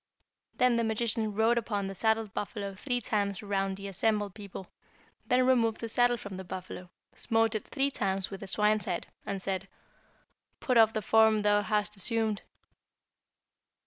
Then the magician rode upon the saddled buffalo three times around the assembled people, then removed the saddle from the buffalo, smote it three times with the swine's head, and said, 'Put off the form thou hast assumed.'